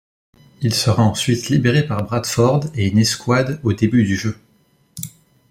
Il sera ensuite libéré par Bradford et une escouade au début du jeu.